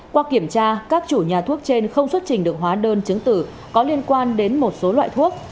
qua kiểm tra các chủ nhà thuốc trên không xuất trình được hóa đơn chứng tử có liên quan đến một số loại thuốc